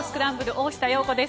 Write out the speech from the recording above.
大下容子です。